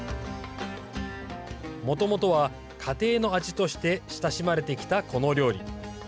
もともとは家庭の味として親しまれてきたこの料理。